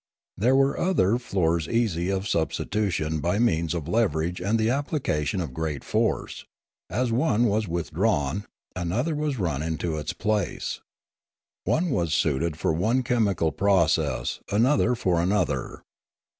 There were other floors easy of substitution by means of leverage and the application of great force; as one was withdrawn, another was run into its place. One was suited for one chemical process, another for another.